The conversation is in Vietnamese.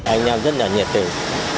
anh em rất là nhiệt tình